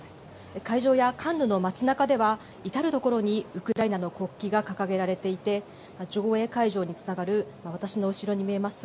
会場やカンヌの街なかでは至る所にウクライナの国旗が掲げられていて上映会場につながる私の後ろに見えます